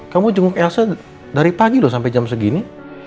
kamu jenguk elsa dari pagi loh sampai jam segini